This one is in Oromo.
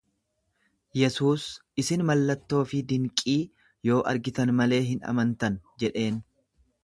Yesuus, Isin mallattoo fi dinqii yoo argitan malee hin amantan jedheen.